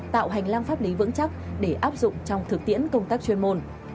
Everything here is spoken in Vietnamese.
tạo hành lang pháp lý vững chắc để áp dụng trong thực tiễn công tác chuyên môn